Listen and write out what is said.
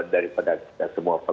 daripada kita semua